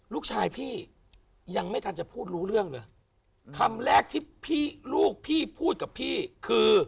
ลูกชายพี่ยังไม่ทันจะพูดรู้เรื่องเลยคำแรกที่พี่ลูกพี่พูดกับพี่คือ